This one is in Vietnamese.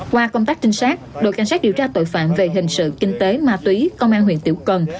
qua công tác trinh sát đội cảnh sát điều tra tội phạm về hình sự kinh tế ma túy công an huyện tiểu cần